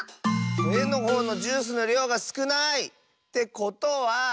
えのほうのジュースのりょうがすくない！ってことは。